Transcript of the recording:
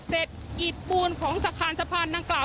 เสร็จอีดปูนของสะครานสะพานนางกล่าว